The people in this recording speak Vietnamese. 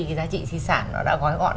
cái giá trị di sản nó đã gói gọn